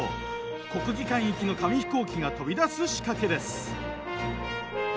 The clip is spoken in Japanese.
国技館行きの紙飛行機が飛び出す仕掛けです。